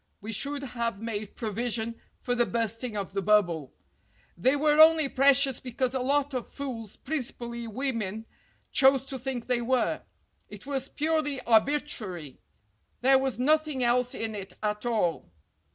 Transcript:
we should have made provision for the bursting of the bubble. They were only precious because a lot of fools, principally women, chose to think they were. It was purely arbi trary. There was nothing else in it at all.